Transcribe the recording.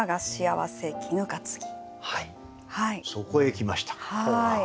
そこへ来ましたか。